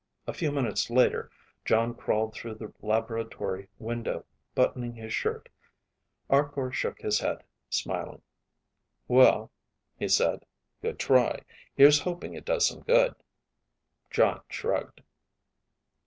A few minutes later Jon crawled through the laboratory tower window, buttoning his shirt. Arkor shook his head, smiling. "Well," he said. "Good try. Here's hoping it does some good." Jon shrugged.